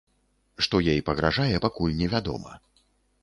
Што ёй пагражае, пакуль невядома.